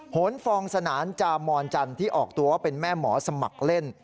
หนฟองสนานจามอนจันทร์ที่ออกตัวว่าเป็นแม่หมอสมัครเล่น